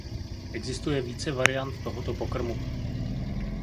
Existuje více variant tohoto pokrmu.